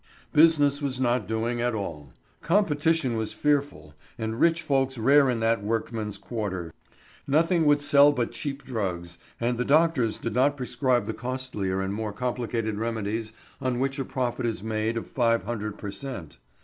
Business was not doing at all. Competition was fearful, and rich folks rare in that workmen's quarter. Nothing would sell but cheap drugs, and the doctors did not prescribe the costlier and more complicated remedies on which a profit is made of five hundred per cent.